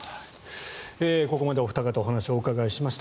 ここまでお二方にお話をお伺いしました。